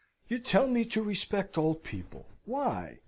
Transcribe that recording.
"You tell me to respect old people. Why?